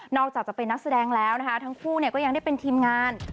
อกจากจะเป็นนักแสดงแล้วนะคะทั้งคู่ก็ยังได้เป็นทีมงาน